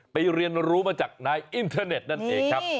เรียนรู้มาจากนายอินเทอร์เน็ตนั่นเองครับ